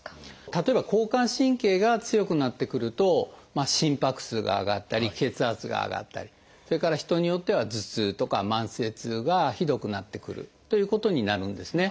例えば交感神経が強くなってくると心拍数が上がったり血圧が上がったりそれから人によっては頭痛とか慢性痛がひどくなってくるということになるんですね。